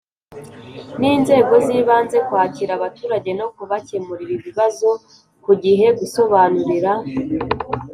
n inzego z ibanze kwakira abaturage no kubakemurira ibibazo ku gihe gusobanurira